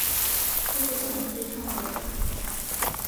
这些证明被称为。